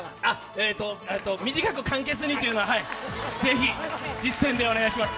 えーと短く簡潔にというのはぜひ実践でお願いします。